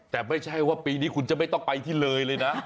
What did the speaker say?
แต่ไม่ใช่ว่าปีนี้คุณจะไม่ต้องไปที่เลยเลยนะ